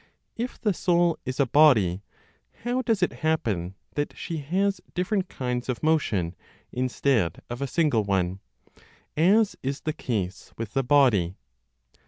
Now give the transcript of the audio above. If the soul is a body, how does it happen that she has different kinds of motion instead of a single one, as is the case with the body?